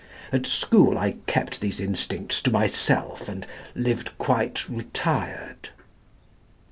At school I kept these instincts to myself, and lived quite retired."